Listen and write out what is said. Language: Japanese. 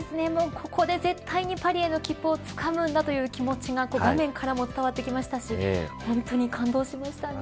ここで絶対にパリへの切符をつかむんだという気持ちが画面からも伝わってきましたし本当に感動しましたね。